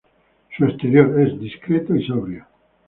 Su exterior es discreto y sobrio.